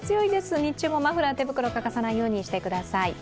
日中もマフラー・手袋、欠かさないようにしてください。